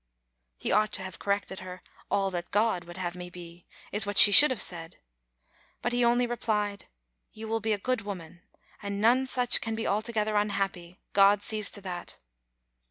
He ought to have corrected her. "All that God would have me be," is what she should have said. But he only replied, " You will be a good woman, and none such can be altogether unhappy; God sees to that."